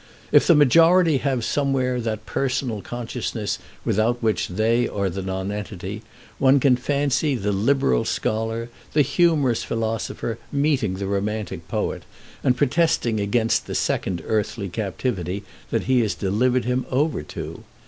If the Majority have somewhere that personal consciousness without which they are the Nonentity, one can fancy the liberal scholar, the humorous philosopher, meeting the romantic poet, and protesting against the second earthly captivity that he has delivered him over to.